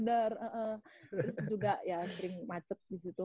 terus juga ya sering macet disitu